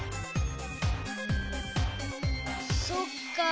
そっか。